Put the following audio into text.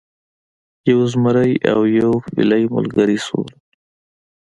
یو زمری او یو فیلی ملګري شول.